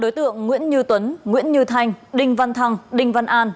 đối tượng nguyễn như tuấn nguyễn như thanh đinh văn thăng đinh văn an